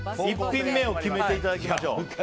１品目を決めていただきましょう。